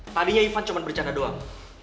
tadinya ivan cuma bercanda doang